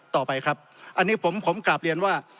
ต่อไปครับอันนี้ผมกลับเรียนว่า